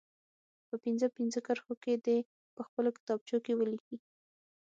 په پنځه پنځه کرښو کې دې په خپلو کتابچو کې ولیکي.